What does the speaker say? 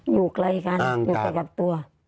อยู่ไกลกันอยู่ใกล้กับตัว